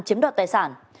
chiếm đoạt tài sản